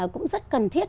cũng rất cần thiết